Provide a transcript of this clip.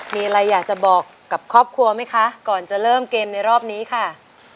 มีอะไรอยากจะบอกกับครอบครัวไหมคะก่อนจะเริ่มเกมในรอบนี้ค่ะ